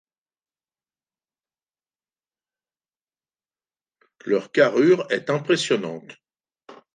Leur carrure est impressionnante.